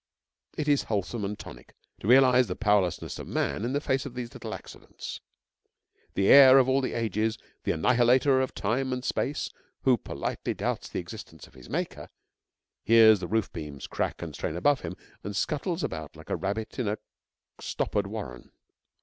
It is wholesome and tonic to realise the powerlessness of man in the face of these little accidents. The heir of all the ages, the annihilator of time and space, who politely doubts the existence of his Maker, hears the roof beams crack and strain above him, and scuttles about like a rabbit in a stoppered warren.